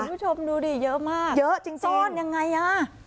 คุณผู้ชมดูดิเยอะมากซ่อนยังไงอ่ะ